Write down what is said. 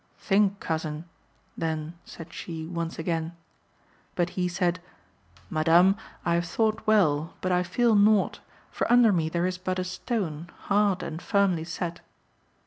"Think, cousin," then said she once again. But he said, "Madame, I have thought well, but I feel nought; for under me there is but a stone, hard and firmly set."